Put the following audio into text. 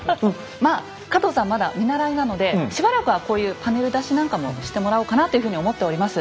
まあ加藤さんまだ見習いなのでしばらくはこういうパネル出しなんかもしてもらおうかなというふうに思っております。